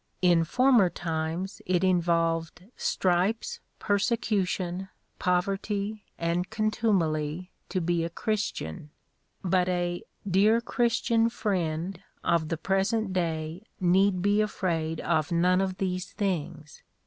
In former times it involved stripes, persecution, poverty, and contumely to be a "Christian," but a "dear Christian friend" of the present day need be afraid of none of these things.